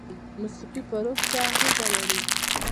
موسیقي په روح څه اغیزه لري؟